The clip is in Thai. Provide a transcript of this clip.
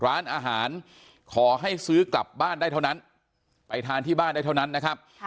ร้านอาหารขอให้ซื้อกลับบ้านได้เท่านั้นไปทานที่บ้านได้เท่านั้นนะครับ